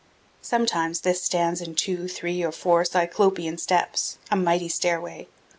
Sometimes this stands in two, three, or four Cyclopean steps a mighty stairway.